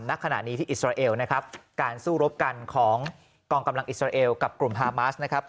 ณขณะนี้ที่อิสราเอลนะครับการสู้รบกันของกองกำลังอิสราเอลกับกลุ่มฮามาสนะครับ